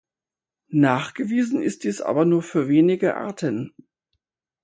Nachgewiesen ist dies aber nur für wenige Arten.